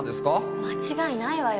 間違いないわよ。